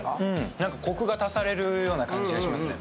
コクが足されるような感じがしますね。